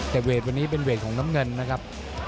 แต่เวทวันนี้เป็นเวทของน้ำเงินนะครับ